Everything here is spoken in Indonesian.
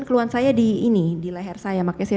keluhan saya di ini di leher saya makanya saya